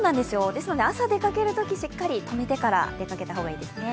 朝出かけるとき、しっかり止めてから、出かけた方がいいですね。